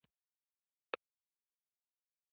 پنېر د سوځېدو قوت زیاتوي.